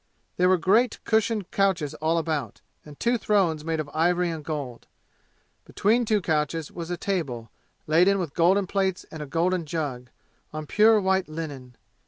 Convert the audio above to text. There were great cushioned couches all about and two thrones made of ivory and gold. Between two couches was a table, laden with golden plates and a golden jug, on pure white linen.